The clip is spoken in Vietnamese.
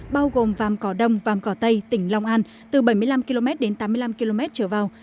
bao gồm vàm cỏ đông vàm cỏ tây tỉnh long an từ bảy mươi năm km đến tám mươi năm km trở vào